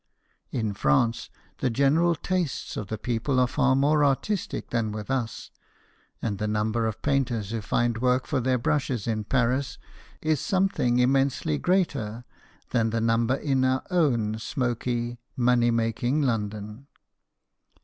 In France, the general tastes of the people are far more artistic than with us ; and the number of painters who find work for their brushes in Paris is something immensely greater than the number in our own smoky, money making London.